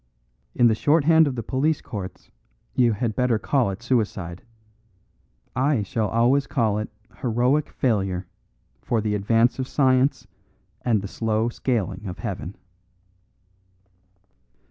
In the short hand of the police courts, you had better call it suicide. I shall always call it heroic failure for the advance of science and the slow scaling of heaven."